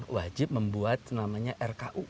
wajib membuat rku